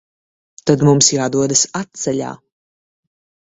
Tad mums jādodas atceļā.